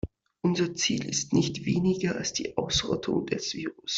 Unser Ziel ist nicht weniger als die Ausrottung des Virus.